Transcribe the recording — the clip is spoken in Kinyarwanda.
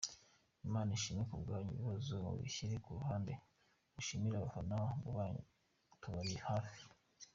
Imana ishimwe kubwanyu ibibazo mubishiyire kuruhande mushimishe Abafana banyu tubari hafi.